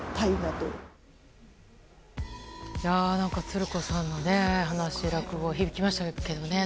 つる子さんのお話、落語響きましたけどね。